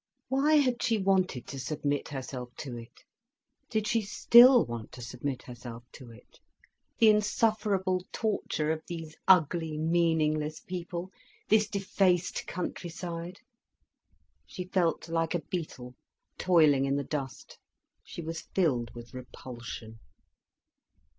Why had she wanted to submit herself to it, did she still want to submit herself to it, the insufferable torture of these ugly, meaningless people, this defaced countryside? She felt like a beetle toiling in the dust. She was filled with repulsion.